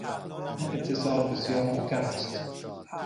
این اتصال بسیار محکم است